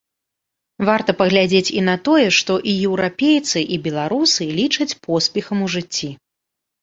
Варта паглядзець і на тое, што і еўрапейцы, і беларусы лічаць поспехам у жыцці.